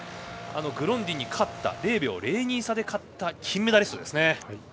グロンディンに０秒０２差で勝った金メダリストですね。